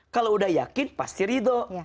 kalau udah yakin pasti ridho